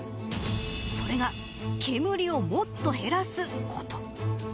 それが煙をもっと減らすこと。